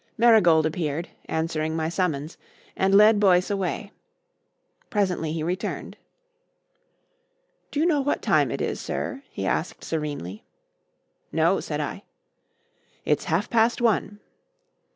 Marigold appeared, answering my summons, and led Boyce away. Presently he returned. "Do you know what time it is, sir?" he asked serenely. "No," said I. "It's half past one."